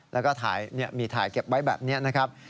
แล้วก็มีถ่ายเก็บไว้แบบนี้นะครับ